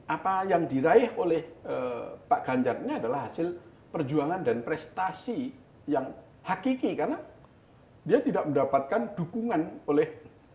apa yang diraih oleh pak ganjar ini adalah hasil perjuangan dan prestasi yang hakiki karena dia tidak mendapatkan dukungan oleh